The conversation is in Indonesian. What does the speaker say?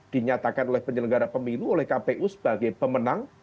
dinyatakan oleh penyelenggara pemilu oleh kpu sebagai pemenang